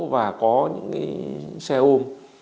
và có những cái xe ôm